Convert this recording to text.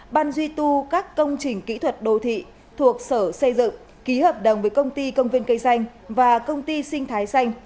ban duy tu các công trình kỹ thuật đô thị thuộc sở xây dựng ký hợp đồng với công ty công viên cây xanh và công ty sinh thái xanh